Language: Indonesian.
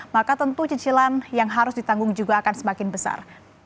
maka tentu cicilan yang harus ditanggung juga akan semakin besar